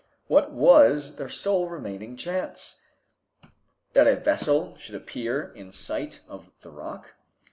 What was their sole remaining chance? That a vessel should appear in sight of the rock?